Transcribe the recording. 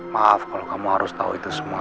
maaf kalau kamu harus tahu itu semua